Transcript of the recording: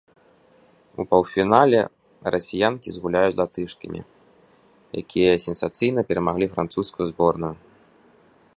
У паўфінале расіянкі згуляюць з латышкамі, якія сенсацыйна перамаглі французскую зборную.